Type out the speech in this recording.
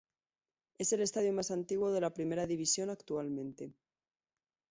Es el estadio más antiguo de la Primera División actualmente.